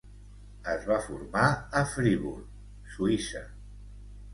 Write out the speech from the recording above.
Es va formar a Fribourg, Suïssa.